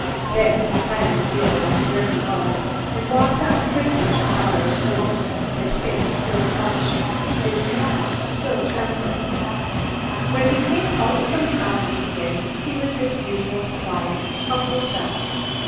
Then he finally realised where he was, and walked on quickly to Bauer's room, his face still flushed, his hands trembling. When he came out from the office again, he was his usual quiet, humble self.